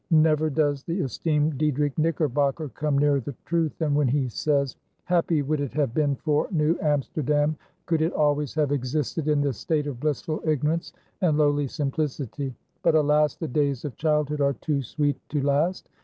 Never does the esteemed Diedrich Knickerbocker come nearer the truth than when he says: "Happy would it have been for New Amsterdam could it always have existed in this state of blissful ignorance and lowly simplicity; but alas! the days of childhood are too sweet to last.